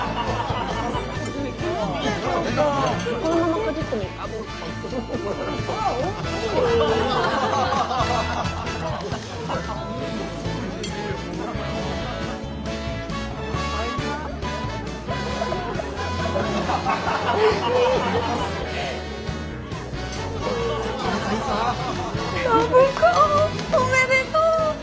暢子おめでとう！